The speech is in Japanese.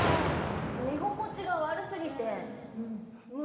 寝心地が悪過ぎて無理。